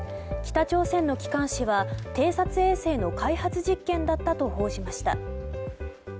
北朝鮮の機関紙は偵察衛星の開発実験だったと報じました。